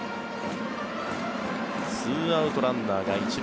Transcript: ２アウト、ランナーが１塁。